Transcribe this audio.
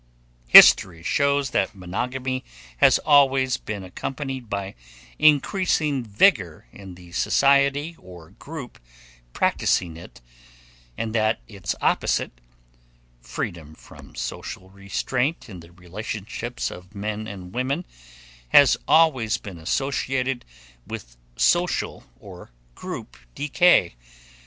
History shows that monogamy has always been accompanied by increasing vigor in the society or group practicing it, and that its opposite freedom from social restraint in the relationships of men and women has always been associated with social or group decay.